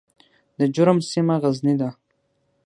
د جرم سیمه غرنۍ ده